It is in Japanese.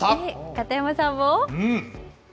片山さんも？